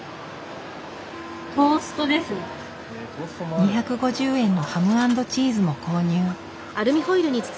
２５０円のハム＆チーズも購入。